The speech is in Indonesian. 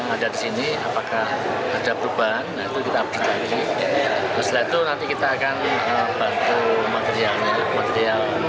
material apa yang dibutuhkan dari lapangan tadi